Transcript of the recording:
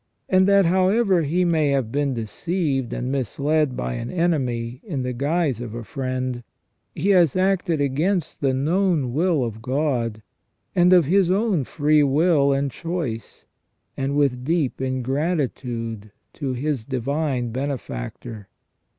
And that however he may have been deceived and misled by an enemy in the guise of a friend, he has acted against the known will of God, and of his own free will and choice, and with deep ingratitude to his Divine Benefactor.